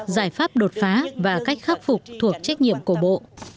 giải pháp đột phá và cách khắc phục thuộc trách nhiệm của bộ